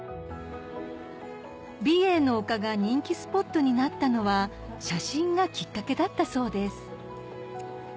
美瑛の丘が人気スポットになったのは写真がきっかけだったそうです